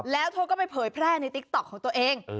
แล้วเธอไปเสิร์ฟผแพร่ในติ๊กต็อกของเธอเอง